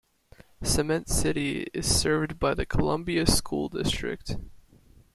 Cement City is served by the Columbia School District.